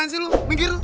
ngapain sih lo minggir lo